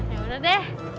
ya udah deh